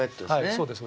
そうです。